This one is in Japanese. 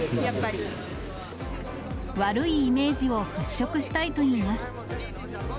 悪いイメージを払拭したいといいます。